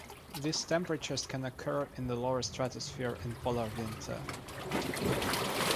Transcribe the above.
These temperatures can occur in the lower stratosphere in polar winter.